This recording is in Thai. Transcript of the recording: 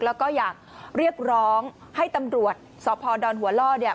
แล้วก็อยากเรียกร้องให้ตำรวจสพดอนหัวล่อเนี่ย